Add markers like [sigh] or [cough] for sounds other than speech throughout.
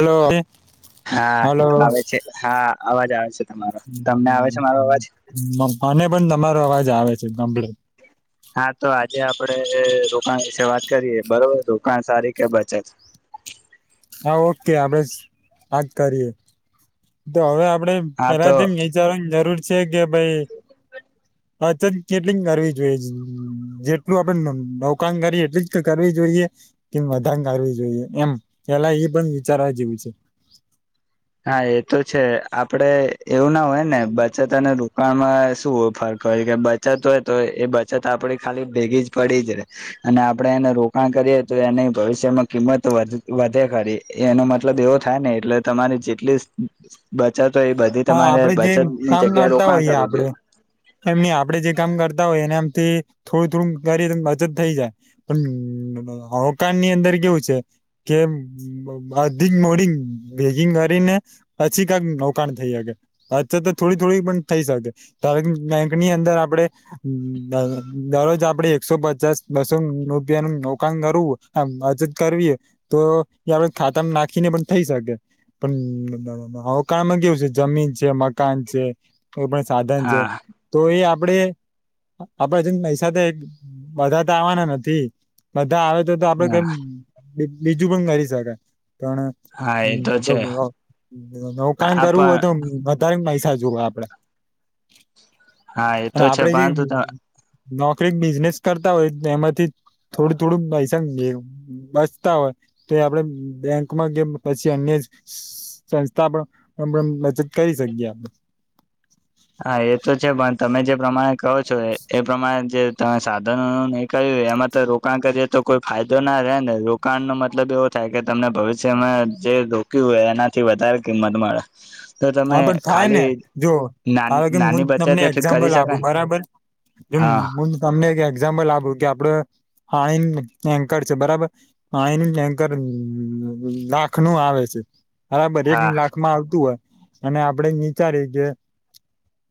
Hello. હા hello આવે છે હા અવાજ આવે છે. તમારો તમને આવે છે મારો અવાજ મને પણ તમારો અવાજ આવે છે. કમ્પ્લીટ હા તો આજે આપડે. રોકાણ વિશે વાત કરીએ બરોબર રોકાણ સારી કે બચત. હા ઓકે આપડે વાત કરીએ તો હવે આપ. આપડે હા તો પેલાથી વિચારવાની જરૂર છે કે ભઈ. બચત કેટલી કરવી જોઈએ જેટલું આપડે નોકાણ કરીએ એટલી જ કરવી જોઈએ. કેમ વધા કરવી જોઈએ એમ પેલા એ પણ વિચારવા જેવું છે. [inaudible] એ તો છે આપડે એવું ના હોય ને બચત અને રોકાણમાં શું હોય ફરક હોય કે. બચત હોય તો એ બચત આપડી ખાલી ભેગી જ પડી જ રે અને આપડે એને રોકાણ કરીએ તો. એની ભવિષ્યમાં કિંમત વધે ખરી એનો મતલબ એવો થાય ને એટલે તમારી. જેટલી બચત હોય એ બધી હા તમારે આપડે જે બચત ની જગ્યાએ રોકાણ કરવું જોઈએ. એમની આપડે જે કામ કરતા હોય એને આમ તે થોડું-થોડું કરી બચત થઈ જાય. પણ હવકાની અંદર કેવું છે કે બધી મૂડી ભેગી કરીને પછી કક પણ થઈ હગે. પછી તો થોડી-થોડી પણ થઈ શકે. કાર બેંકની અંદર આપડે દર દરરોજ આપડે એકસો પચાસ, બસો રૂપિયાનું રોકાણ કરવું. બચત કર એ તો જે આપડે ખાતામાં નાખીને પણ થઈ શકે પણ રોકાણ કેવું છે. જમીન છે. મકાન છે. કોઈ પણ સાધન છે. હા હા તો એ આપડે આપડે છેન પૈસા તો એક બધા તો આવાના નથી. આવે તો તો આપડે કેમ બીજું પણ કરી શકાય. પણ હા એ તો છે [unintelligible] રોકાણ આ કરવું હોય પણ તો વધારે પૈસા જોવે આપડા હા એ અને તો છે આપડે જે પરંતુ નોકરી, બિઝનેસ કરતા હોય એમાંથી થોડું-થોડું પૈસા બચતા હોય. તો આપડે બેંકમાં કેમ પછી અન્ય જ સંસ્થા પણ બચત કરી શકીએ આપડે. હા, એ તો છે પણ તમે જે પ્રમાણે કહો છો એ પ્રમાણે જે તમે સાધનો નહી કર્યું એમાં તો રોકાણ કરીએ તો કોઈ ફાયદો ના રહે હેને રોકાણનો મતલબ એવો થાય કે તમને ભવિષ્યમાં જે રોક્યું એનાથી વધારે કિંમત મળે. તો તમે હા, પણ થાયને ખાલી જો નાની હવે હું નાની તમને બચતથી કરી એક્ઝામ્પલ શકાય આપું. બરાબર. હમ, હા હું તમને એક એક્ઝામ્પલ આપું કે આપડ હા ઈન ટેન્કર છે બરાબર. હા ઈન ટેન્કર લાખનું આવે છે. હા બધે લાખમાં આવતું હોય અને આપડે નિચારીએ કે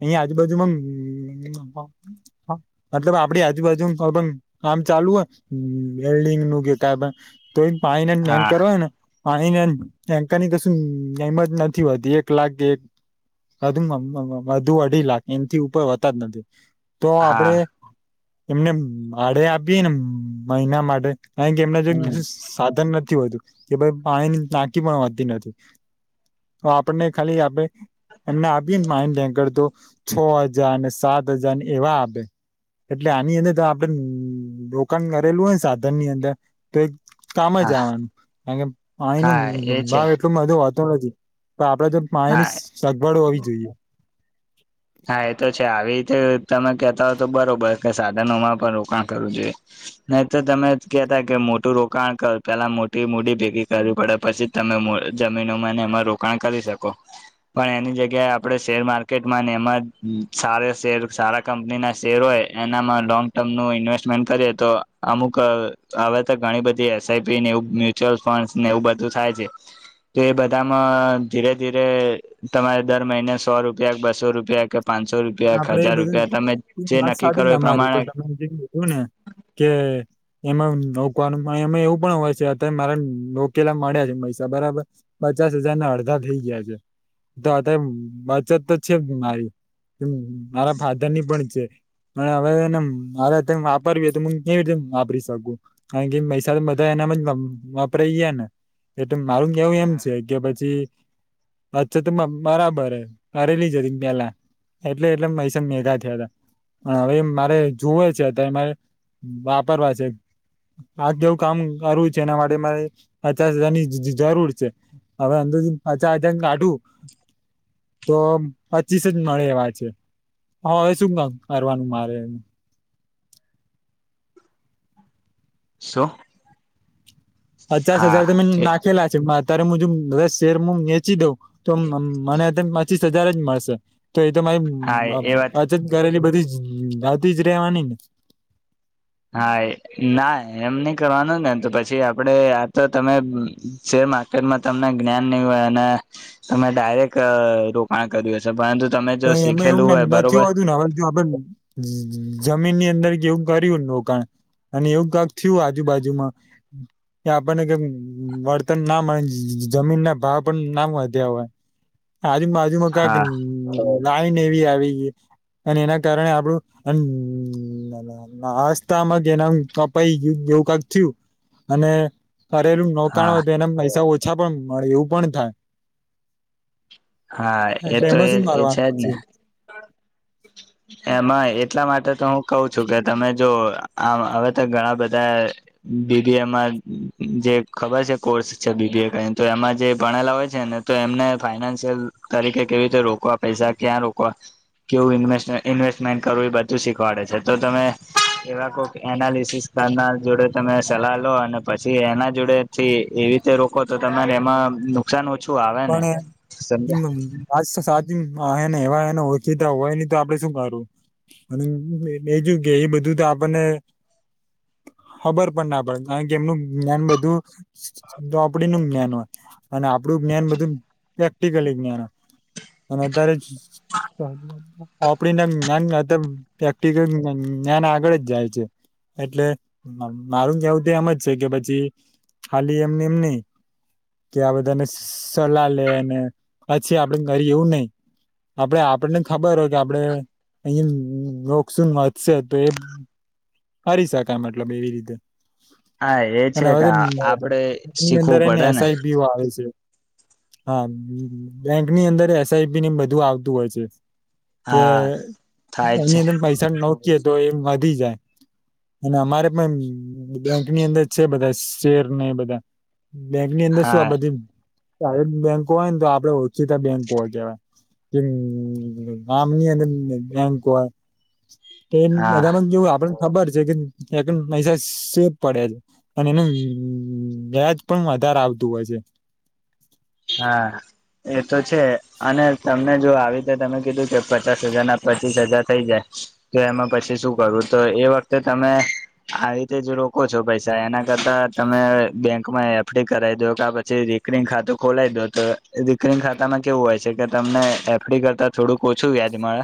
અહીયાં આજુ-બાજુમાં મતલબ આપડી આજુબાજુમાં પણ કામ ચાલુ હોય વેલ્ડિંગનું કે કાઈ પણ તો એ પાણીના હા ટેન્કર હોય ને પાણીના ટેન્કરની કશુ એમત નથી હોતી એક એક લાખ કે વધુમાં વધુ અઢી લાખ એનથી ઉપર હોતા જ નથી. તો હા આપડે એમને ભાડે આપીએ ને મહિના માટે કારણ કે એમના જેમ હમ સાધન નથી. થી હોતુ. કે ભઈ પાણીની ટાંકી પણ હોતી નથી. તો આપડને ખાલી આપે એમને આપીએ ન માઇન્ડ ટેન્કર તો છ હજાર ને સાત હજાર એવા આપે. એટલે આની અંદર તો આપડે રોકાણ કરેલું હોય ન સાધનની અંદર તો એક કામ જ હા આવાનું. કારણ કે પાણીનો હા એ છે ભાવ એટલો બધો વધેલો છે. તો આપડે તો હા પાણીની સગવડ હોવી જોઈએ. હા, એ તો છે આવી રીતે તમે કેતા હોય તો બરોબર કે સાધનોમાં પણ રોકાણ કરવું જોઈએ. નહી, તો તમે કહેતા કે મોટું રોકાણ કર પેલા મોટી મૂડી ભેગી કરવી પડે. પછી તમે જમીનોમાં ને એમાં રોકાણ કરી શકો. પણ એની જગ્યાએ આપણે શેર માર્કેટમાં એમાં સાર શેર સારા કંપનીના શેર હોય એનામાં લોંગ ટર્મનું ઇન્વેસ્ટમેન્ટ કરીએ તો અમુક હવે તો ઘણી બધી એસઆઈપીને એવુ, મ્યુચ્યુઅલ ફંડસને એવું બધું થાય છે. તો એ બધામાં ધીરે-ધીરે તમારે દર મહિને સો રૂપિયા કે બસો રૂપ આપડે એ બધું જે વાત નક્કી સાચી કરો એ તમારી પ્રમાણે પણ તમે જે કીધું ને કે એમાં રોકવાનું પણ એમાં એવું પણ હોય છે અત્યારે મારા રોકેલા મળે છે પૈસા બરાબર. પચાસ હજારના અડધા થઈ ગયા છે. તો અત્યારે બચત તો છે મારી મારા ફાધરની પણ છે. અને હવે એને મારે અત્યાર વાપરવી તો મુ કેવી રીતે વાપરી શકું. કારણ કે મૈસા એનામાં જ વપરાય ગયાને એટલે મારું કેવું એમ છે કે પછી અચ્છા. તો બરાબર હે. કરેલી જ હતી પેલા એટલે એટલે પૈસા ભેગા થયા હતા. હવે મારે જુવે છે અત્યારે મારે વાપરવા છે. આ કેવું કામ કરવું છે. એના માટે મારે પચાસ હજારની જરૂર છે. હવે તું પચા હજાર કાઢું [inaudible] તો પચીસજ મળે એવા છે હ હવે શું ક કરવાનું મારે એ શો પચાસ હજાર તમે નાખેલા છે અત્યારે હું બધા શેર હું વેચી દઉં તો મને ત પચીસ હજાર જ મળશે તો એ તો મારી હા એ વાત પાછત કરેલી બધી આવતી જ રેવાની ને હા એ ના એમ નઈ કરવાનું ને તો પછી આપડે આ તો તમે માર્કેટમાં તમને જ્ઞાન નહી હોય અને તમે ડાયરેક રોકાણ કર્યું હશે પરંતુ તમે જો શીખેલું હોય બરોબર [unintelligible] જમીનની અંદર એવું કર્યું રોકાણ અને એવું કક થયું આજુબાજુમાં કે આપણને કે વળતર ના મ જ જ જમીન ના ભાવ પણ ના વધ્યા હોય [inaudible] આજુ બાજુમાં કાક હા લાઈન એવી આવી ગી અન એના કારણે આપણું અન આસ્થામાં એના કપાય ગયું એવું કાક થયું અને કરેલું નોકાણ હા હોય તો એના પૈસા ઓછા પણ મળે એવું પણ થાય. હા એ એટલે તો એમાં એ શું એ છે કરવાનું જ ને પછી એમાં એટલા મા ટે તો હું કઉ છું કે તમે જો આવ અવે તો ઘણા બધા બીબીએમાં જે ખબર છે કોર્સ છે બીબીએ કરીને તો એમાં જે ભણેલા હોય છે ને તો એમને ફાઈનાન્સ છેલ તરીકે કેવી રીતે રોકવા પૈસા ક્યાં રોકવા કેવું ઇન્વેસ્ટ ઇન્વેસ્ટમેન્ટ કરવું એ બધું શીખવાડે છે તો તમે એવા કોઈક એનાલિસિસ તા ના જોડે તમે સલાહ લો અને પછી એના જોડેથી એવી રીતે રોકો તો તમારે એમાં નુકસાન ઓછું આવે ને સમજ્યા હમ વાત સાચીને હને એવાને ઓળખીતા હોય ની તો આપડે શું કરવું અને બીજું કે એ બધું તો આપણને [inaudible] ખબર પણ ના પડે કારણ કે એમનું જ્ઞાન બધું ચોપડીનું જ્ઞાન હોય અને આપણું જ્ઞાન બ પ્રેક્ટિકલી જ્ઞાન અને અત્યારે આપડીને જ્ઞાન સાથે પ્રેક્ટિકલ જ્ઞાન આગળ જ જાય છે. એટલે મારું કેવું તો એમ જ છે કે પછી ખાલી એમને એમ ની કે આ બધાને સલાહ લેને પછી આપડે કરીએ એવું નય આપડે આપડને ખબર હોય કે આપડે અંયા હમ મોનસુન વધશે તો એ કરી શકાય મતલબ એવી રીતે હા એ અને છે હવે કે તો આપડે ની અંદર શીખવું એને પડે ને એસઆઈપી એવૂ આવે છે. હા બેંકની અંદર એસઆઈપીને બધું આવતું હોય છે. કે હા થાય છે એની અંદર પૈસા નોકીએ તો એમ વધી જાય અને અમારે પણ બેંકની અંદર છે બધાજ શેરને એ બધા બેંકની અંદર શું આ હા બધી સાઈટ બેન્કો હોય ને તો આપડે ઓછીતા બેન્કો હોય કહેવાય કે આમની અંદર બેન્ક હોય તેમ હા બધામાં કેવું આપડે ખબર છે કે સેકન્ડ પૈસા સેબ પડે છે અને એનું વ્યાજ પણ વધારે આવતું હોય છે. હા એ તો છે અને તમને જો આવી રીતે તમે કીધું કે પચાસ હજાર ના પચીસ હજાર થઈ જાય તો એમાં પછી શું કરવું તો એ વખતે તમે આવી રીતે જ રોકો છો પૈસા એના કરતા તમે બેંકમાં એફડી કરાવી દો કા પછી રીકરીંગ ખાતુ ખોલાવી દો તો રીકરીંગ ખાતામાં કેવું હોય છે કે તમને એફડી કરતા થોડુંક ઓછું વ્યાજ મળે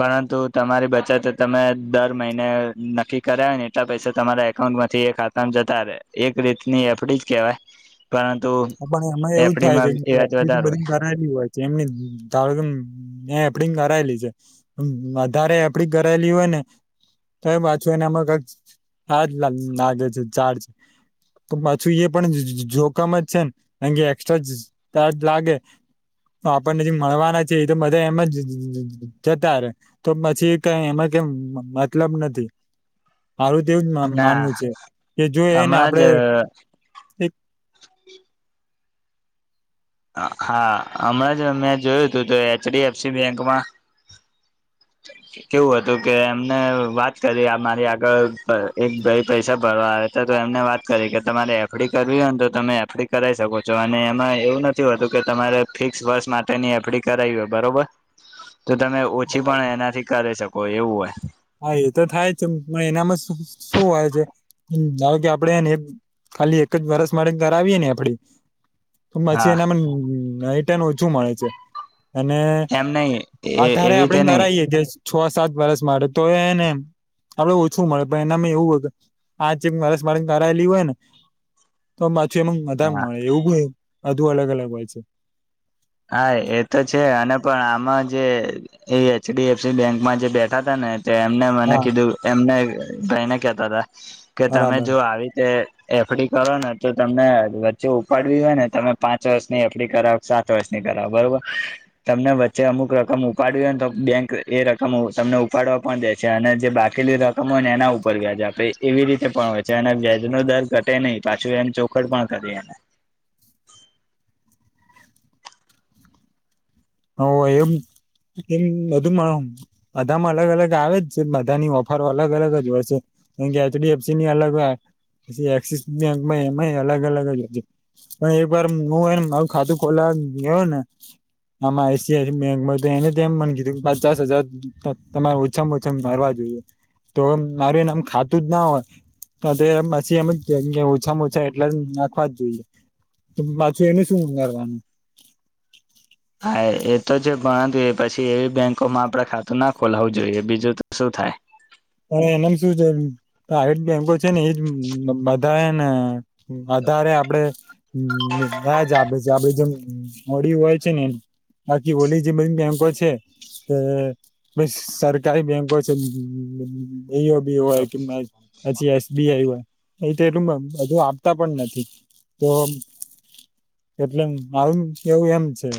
પરંતુ તમારી બચત તમે દર મહિને નક્કી કરાવે ને એટલા પૈસા તમારા એકાઉન્ટમાં માથી એ ખાતામાં જતા રે એક રીતની એફડી જ કેહેવાય પરંતુ પણ એમાં એવું જ થાય છે એફડીમાં કે વ્યાજ એફડી તો વધારે બધી હોય કરાયેલી હોય છે એમને જ ધારોકે એફડી કરાયેલી છે વધારે એફડી કરાયેલી હોય ને તોય પાછું એના માં કઈક ચાજૅ લાગે છે ચાજૅ તો પાછું એ પણ જો જો જોખમ જ છે ને કેમકે એક્સ્ટ્રા ચાર્જ લાગે તો આપણને જે મળવાના છે એ તો બધા એમ જ જતા રે તો પછી કઈ એમજ કે મતલબ નથી. [inaudible] મારું તેવું જ ના માનવું છે કે જો એને હમણાં જ આપડે હા હમણાં જ મેં જોયું તું તો એચડીએફસી બેંકમાં [inaudible] કેવું હતું કે એમને વાત કરી આ મારી આગળ એક ભાઈ પૈસા ભરવા આવે ત તો એમને વાત કરી કે તમારે એફડી કરવી હોયને તો તમે એફડી કરાઈ શકો છો અને એમાં એવું નથી હોતું કે તમારે ફિકસ વર્ષ માટેની એફડી કરાવી હોય બરોબર તો તમે ઓછી પણ એનાથી કરી શકો એવું હોય. હા એ તો થાય છે પણ એનામાં શું હોય છે કે ધારોકે આપડે હેને ખાલી એક જ વરસ માટે કરાવીએ ને એફડી તો પછી હા એનામાં એતેન શું મળે છે અને એમ નહી એ એવી વધારે આપડે રીતે નહી કરાયે છ સાત વરસ માટે તો એને આપડે ઓછું મળે પણ એનામાં એવું હોય કે આજ જે માસ માર કરરાયેલી હોય ને તો પાછું એમાં વધા હા મળે એવું બ બધુ અલગ અલગ હોય છે. હા એ તો છે અને પણ આમાં જે એ એચ ડી એફસી બેંકમાં જે બેઠા હતા ને એમને મને હા કીધું એમને ભાઈને કેતા હતા કે તમે બરાબર જો આવી તે એફડી કરો ને તો તમને વચ્ચે ઉપાડવી હોય ને તમે પાંચ વર્ષની એફડી કરાવ સા ત વર્ષની કરાવ બરોબર તમને વચ્ચે અમુક રકમ ઉપાડવી હોય તો બેંક એ રકમ તમને ઉપાડવા પણ દે છે અને જે બાકીલી રકમ હોય ને એના ઉપર વ્યાજ આપે એવી રીતે પણ હોય છે અને વ્યાજનો દર ઘટે નહી પાછું એમ ચોખડ પણ કરીએ. હ એમ. કેમ બધુંમાં બધામાં અલગ અલગ આવે જ છે બધાની ઓફર અલગ અલગ જ હોય છે. એમ કે એચડી એફસી ની અલગ પછી એક્સિસ બેંક માં એમાંય અલગ અલગ જ પણ એક વાર હું એને મારું ખાતું ખોલા વા ગયો ને આમાં I C I C bank એને એમ મને કીધું કે પચાસ હજાર તમારે ઓછામાં ઓછા ભરવા જોઈએ. તો મારું એને આમ ખાતું જ ના હોય તો તે પછી એમ જ કે ઓછામાં ઓછા એટલે નાખવા જ જોઈએ. પાછું એને શું ઉંગારવાનું હા એ તો જે પરંતુ એ પછી એવી બેંકોમાં આપડે ખાતું ના ખોલાવું જોઈએ બીજું તો શું થાય. હ એનામ શું છે આઈ બેંકો છે ને એજ બધા ને વધારે આપડે વ્યાજ આપે છે આપે જેમ મોડી હોય છે ને બાકી ઓલી જે બધી બેંકો છે. એ સરકારી બેંકો છે. બો ઓ બી હોય કે પછી એસ બી આઈ હોય. અહી તો એલું હજુ આપતા પણ નથી તો એટલે મારુ કેવું એમ છે.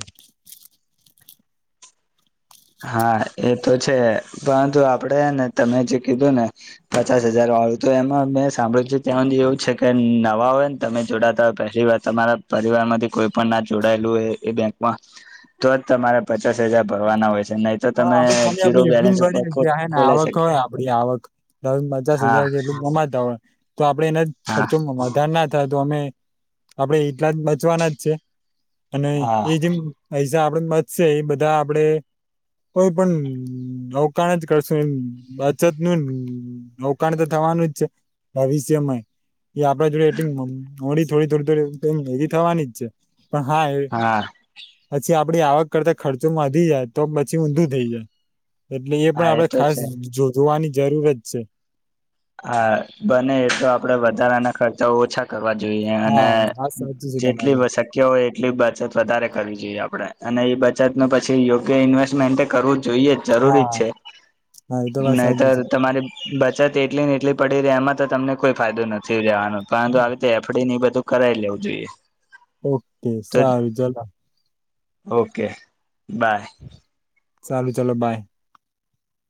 હા એ તો છે પરંતુ આપડે ને તમે જે કીધું ને પચાસ હજાર હાલ તો એમાં મેં સાંભળ્યું છે ત્યાં સુધી એવું છે કે નવા હોય ને તમે જોડાતા હોય પહેલી વાર તમારા પરિવાર માંથી કોઈ પણ ના જોડાયેલું હોય એ બેંકમાં તો જ તમારે પચાસ હજાર ભરવાના હોય. છે નહી તો હા તમે આપડે ખાલી જીરો આપડે એટલું બેલેન્સ ઉપર કરી કે હ ને ખોલે છે આવક હોય આપડી આવક ધારોકે પચાસ હા હજાર એટલું કમાતા હોય તો આપડે એના જ હા ખર્ચો વધારે ના થાય તો અમે આપડે એટલા જ બચવાના જ છે. અને હા એ જેમ પૈસા આપડે બચશે એ બધા આપડે કોઈ પણ અવકાણ જ કરશો બાચત નું અવકાણ થવાનું જ છે ભવિષ્યમાંય એ આપડે જોડે એટલી મોડી થોડી થોડી થોડી ભેગી થવાની જ છે. પણ હા એ હા પછી આપડી આવક કરતા ખર્ચોમાં વધી જાય. તો પછી ઊંધું થઈ જાય એટલે એ પણ હા આપણે તો ખાસ છે. જોવાની જરૂર જ છે. હા બને એ તો આપડે વધારાના ખર્ચા ઓછા કરવા જોઈએ અને હા વાત સાચી છે જેટલી તમારી શક્ય હોય એટલી બચત વધારે કરવી જોઈએ આપડે અને એ બચત ન પછી યોગ્ય ઇન્વેસ્ટમેન્ટ કરવું જ જોઈએ જ જરૂરી જ હા છે હા એ વાત નહી તો સાચી છે તમારી બચત એટલી ને એટલી પડી રહી એમાં તો તમને કોઈ ફાયદો નથી લેવાનો પરંતુ આવી રીતે એફ ડી એ બધું કરાઈ લેવું જોઈએ. ઓકે તો સારું જલા ઓકે બાય. સારુ ચાલો બાય.